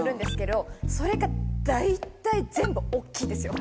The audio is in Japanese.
それが大体全部大っきいんですよ。